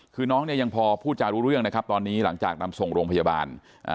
คือน้องเนี่ยยังพอพูดจารู้เรื่องนะครับตอนนี้หลังจากนำส่งโรงพยาบาลอ่า